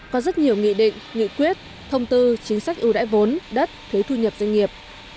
có rất nhiều nghị định nghị quyết thông tư chính sách ưu đãi vốn đất thuế thu nhập doanh nghiệp